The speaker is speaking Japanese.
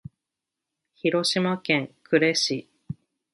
広島県呉市